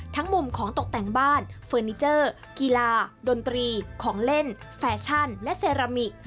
มุมของตกแต่งบ้านเฟอร์นิเจอร์กีฬาดนตรีของเล่นแฟชั่นและเซรามิก